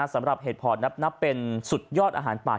สำหรับเหตุผอดนับเป็นสุดยอดอาหารปาก